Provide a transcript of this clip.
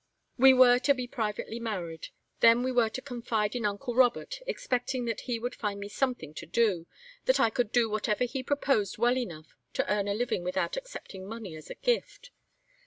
We were to be privately married. Then we were to confide in uncle Robert, expecting that he would find me something to do, that I could do whatever he proposed well enough to earn a living without accepting money as a gift.